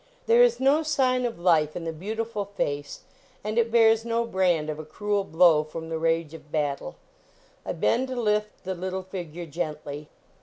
There is no sign of life in the beau tiful face, and it bears no brand of a cruel blow from the rage of battle. I bend to lift the little figure gently.